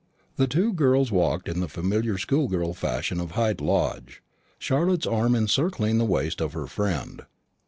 The two girls walked in the familiar schoolgirl fashion of Hyde Lodge, Charlotte's arm encircling the waist of her friend.